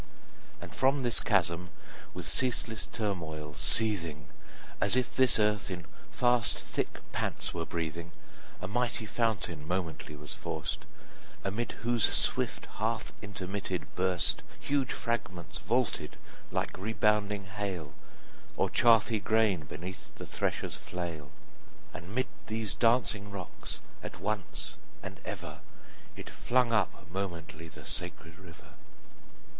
And from this chasm, with ceaseless turmoil seething, As if this earth in fast thick pants were breathing, A mighty fountain momently was forced; Amid whose swift half intermitted burst 20 Huge fragments vaulted like rebounding hail, Or chaffy grain beneath the thresher's flail: And 'mid these dancing rocks at once and ever It flung up momently the sacred river.